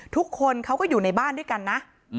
ทุกคนเขาก็อยู่ในบ้านด้วยกันนะ